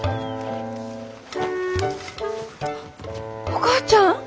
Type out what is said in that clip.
お母ちゃん？